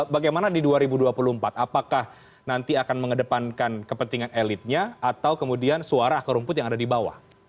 bagaimana di dua ribu dua puluh empat apakah nanti akan mengedepankan kepentingan elitnya atau kemudian suara akar rumput yang ada di bawah